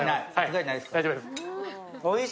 大丈夫です。